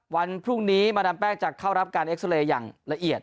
วันพรุ่งนี้มาดามแป้งจะเข้ารับการเอ็กซาเรย์อย่างละเอียด